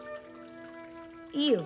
いいよ。